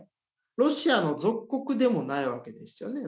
ロシアの属国でもないわけですよね。